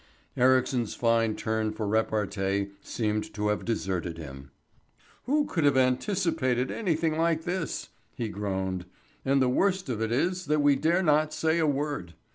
Ericsson's fine turn for repartee seemed to have deserted him. "Who could have anticipated anything like this?" he groaned. "And the worst of it is that we dare not say a word.